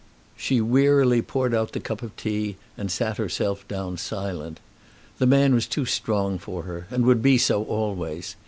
She wearily poured out the cup of tea and sat herself down silent. The man was too strong for her, and would be so always.